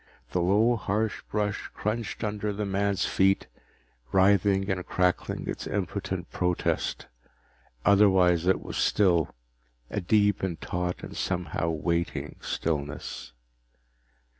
The low harsh brush crunched under the man's feet, writhing and crackling its impotent protest. Otherwise it was still, a deep and taut and somehow waiting stillness.